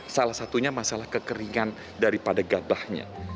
salah satunya masalah kekeringan daripada gabahnya